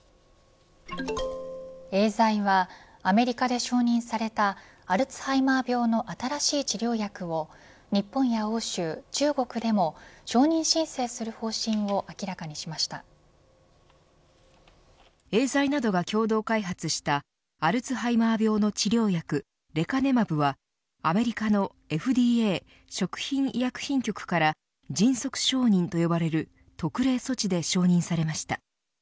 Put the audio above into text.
エーザイはアメリカで承認されたアルツハイマー病の新しい治療薬を日本や欧州、中国でも承認申請する方針をエーザイなどが共同開発したアルツハイマー病の治療薬レカネマブはアメリカのＦＤＡ食品医薬品局から迅速承認と呼ばれる特例措置で承認されました。